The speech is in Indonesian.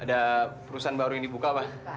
ada perusahaan baru yang dibuka pak